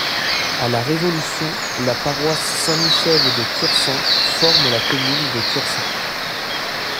À la Révolution, la paroisse Saint-Michel de Cursan forme la commune de Cursan.